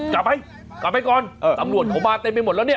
กลับไปกลับไปก่อนตำรวจเขามาเต็มไปหมดแล้วเนี่ย